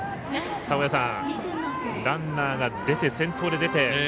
ランナーが先頭で出て。